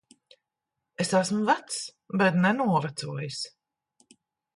Es esmu vecs. Bet ne novecojis.